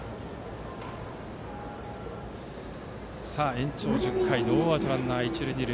延長１０回ノーアウトランナー、一塁二塁。